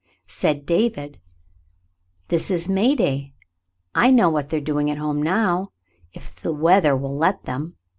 Said David: "This is May day. I know what they're doing at home now, if the weather will let them.